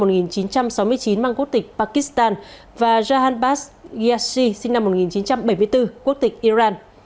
với chín mang quốc tịch pakistan và jahanbaz ghiasi sinh năm một nghìn chín trăm bảy mươi bốn quốc tịch iran